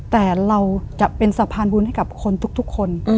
แต่เราจะเป็นสะพานบุญให้กับคนทุกคน